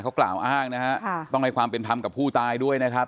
เขากล่าูอ้างต้องให้ความเป็นทำกับผู้ตายด้วยกันน่ะครับ